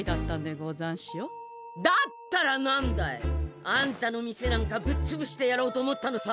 だったらなんだい？あんたの店なんかぶっつぶしてやろうと思ったのさ。